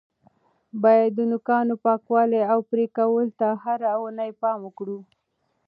باید د نوکانو پاکوالي او پرې کولو ته هره اونۍ پام وکړو.